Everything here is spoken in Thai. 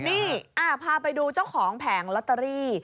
นี่พาไปดูเจ้าของแผงลอตเตอรี่